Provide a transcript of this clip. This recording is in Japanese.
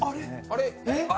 あれ？